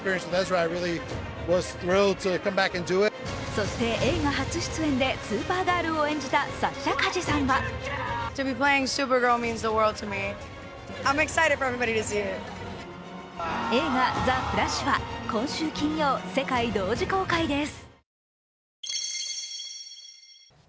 そして映画初出演でスーパーガールを演じたサッシャ・カジェさんは映画「ザ・フラッシュ」は今週金曜、世界同時公開です。